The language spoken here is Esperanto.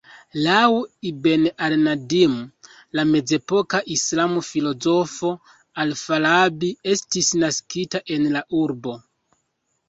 Laŭ "Ibn al-Nadim", la mezepoka islama filozofo "Al-Farabi" estis naskita en la urbo.